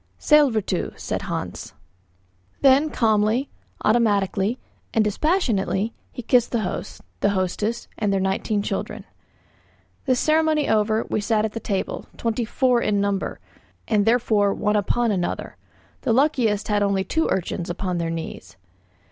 "Sællvertu," said Hans. Then calmly, automatically, and dispassionately he kissed the host, the hostess, and their nineteen children. This ceremony over, we sat at table, twenty four in number, and therefore one upon another. The luckiest had only two urchins upon their knees.